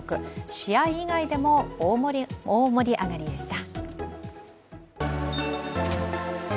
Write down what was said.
試合以外でも大盛り上がりでした。